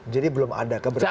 jadi belum ada keberdianya